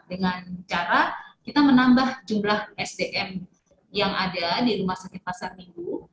dengan cara kita menambah jumlah sdm yang ada di rumah sakit pasar minggu